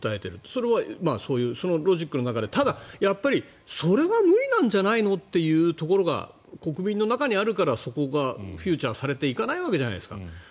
それはそのロジックの中でただ、やっぱりそれは無理なんじゃないの？というところが国民の中にあるからそこがフィーチャーされていかないわけじゃないですか。